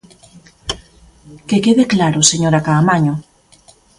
Que quede claro, señora Caamaño.